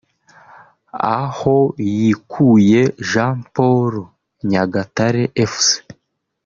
Ahoyikuye Jean Paul (Nyagatare Fc)